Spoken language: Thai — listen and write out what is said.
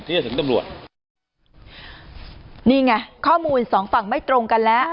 ที่จะถึงตำรวจนี่ไงข้อมูลสองฝั่งไม่ตรงกันแล้ว